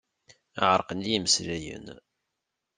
Ɛerqen-iyi imeslayen.